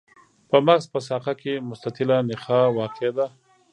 په مغز په ساقه کې مستطیله نخاع واقع ده.